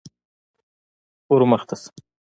_ور مخته شه.